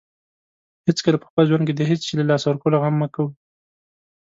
هیڅکله په خپل ژوند کې د هیڅ شی له لاسه ورکولو غم مه کوئ.